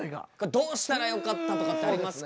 どうしたらよかったとかってありますか？